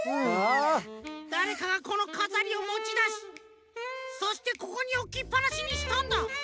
だれかがこのかざりをもちだしそしてここにおきっぱなしにしたんだ。